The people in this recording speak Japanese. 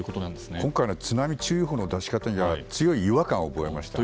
今回の津波注意報の出し方については強い違和感を覚えました。